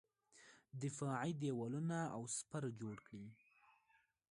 دفاعي دېوالونه او سپر جوړ کړي.